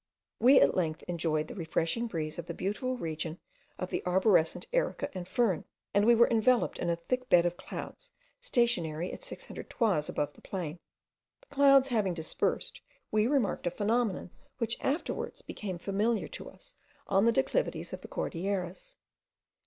We at length enjoyed the refreshing breeze in the beautiful region of the arborescent erica and fern; and we were enveloped in a thick bed of clouds stationary at six hundred toises above the plain. The clouds having dispersed, we remarked a phenomenon which afterwards became familiar to us on the declivities of the Cordilleras.